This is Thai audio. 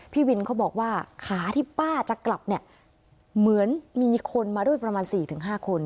พี่วินเขาบอกว่าขาที่ป้าจะกลับเนี่ยเหมือนมีคนมาด้วยประมาณ๔๕คน